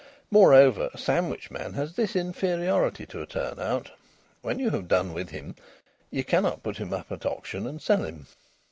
Moreover, a sandwichman has this inferiority to a turnout: when you have done with him you cannot put him up to auction and sell him.